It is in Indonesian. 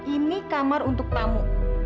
ini kamar untuk tamu